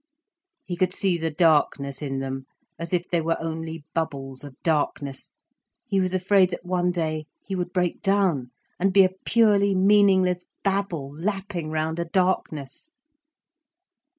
He could see the darkness in them, as if they were only bubbles of darkness. He was afraid that one day he would break down and be a purely meaningless babble lapping round a darkness.